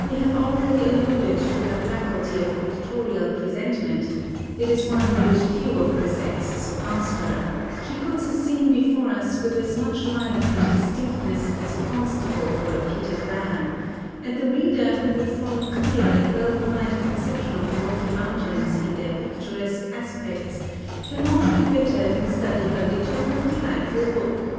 We have already alluded to her faculty of pictorial presentment; it is one in which few of her sex surpass her; she puts a scene before us with as much life and distinctness as a Constable or a Peter Graham, and the reader, who would form a clear and well defined conception of the Rocky Mountains in their picturesque aspects, cannot do better than study her little but delightful book.